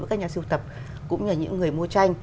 với các nhà siêu tập cũng như là những người mua tranh